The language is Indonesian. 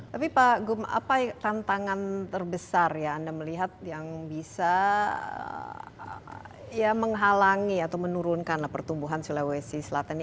tapi pak gum apa tantangan terbesar ya anda melihat yang bisa menghalangi atau menurunkan pertumbuhan sulawesi selatan ini